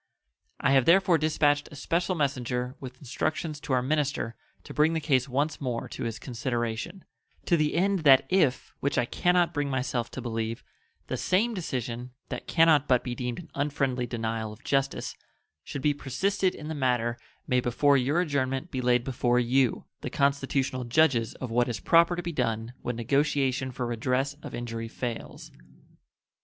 I have therefore dispatched a special messenger with instructions to our minister to bring the case once more to his consideration, to the end that if (which I can not bring myself to believe) the same decision (that can not but be deemed an unfriendly denial of justice) should be persisted in the matter may before your adjournment be laid before you, the constitutional judges of what is proper to be done when negotiation for redress of injury fails.